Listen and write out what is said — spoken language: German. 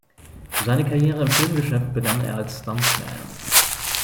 Seine Karriere im Filmgeschäft begann er als Stuntman.